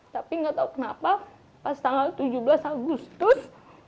tapi gak tau kenapa pas tanggal tujuh belas agustus